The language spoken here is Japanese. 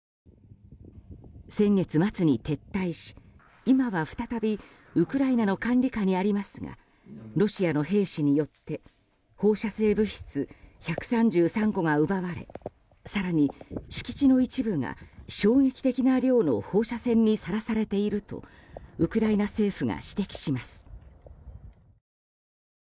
先月末に撤退し、今は再びウクライナの管理下にありますがロシアの兵士によって放射性物質１３３個が奪われ更に敷地の一部が衝撃的な量の放射線にさらされているとウクライナ政府が指摘します。